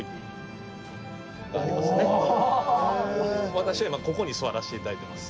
私は今ここに座らして頂いてます。